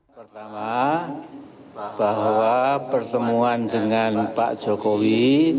pertama bahwa pertemuan dengan pak jokowi